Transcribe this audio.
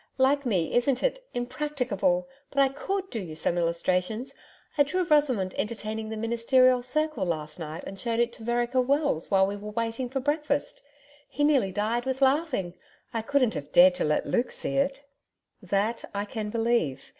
Like me isn't it? Impracticable. But I COULD do you some illustrations. I drew Rosamond entertaining the Ministerial Circle last night and showed it to Vereker Wells while we were waiting for breakfast. He nearly died with laughing. I couldn't have dared to let Luke see it.' 'That I can believe.